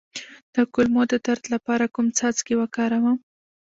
د کولمو د درد لپاره کوم څاڅکي وکاروم؟